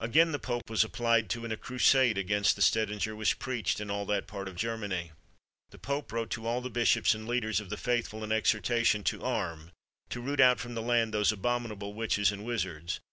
Again the pope was applied to, and a crusade against the Stedinger was preached in all that part of Germany. The pope wrote to all the bishops and leaders of the faithful an exhortation to arm, to root out from the land those abominable witches and wizards.